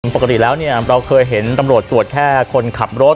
ปกติแล้วเราเคยเห็นตำรวจตรวจแค่คนขับรถ